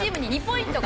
２ポイント？